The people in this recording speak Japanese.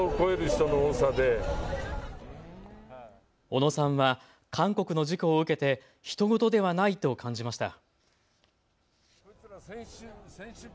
小野さんは韓国の事故を受けてひと事ではないと感じました。